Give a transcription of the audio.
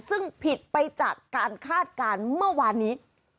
ซึ่งผิดไปจากการคาดการณ์เมื่อวานนี้